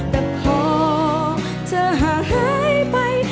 แต่พอเธอห่างหายไป